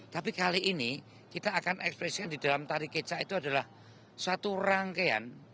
tapi kali ini kita akan ekspresikan di dalam tari keca itu adalah satu rangkaian